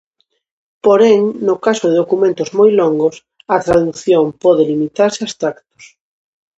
Porén, no caso de documentos moi longos, a tradución pode limitarse a extractos.